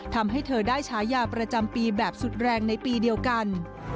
ทำให้เธอได้ฉายาประจำปีแบบสุดแรงในปีเดียวกัน